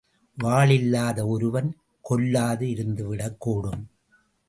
வாள் இல்லாத ஒருவன் கொல்லாது இருந்துவிடக்கூடும்.